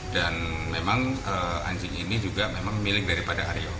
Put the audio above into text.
dan memang anjing ini juga memang milik daripada aryo